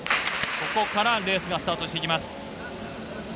ここからレースがスタートしていきます。